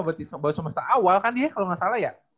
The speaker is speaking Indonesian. berarti baru semester awal kan dia kalau enggak salah ya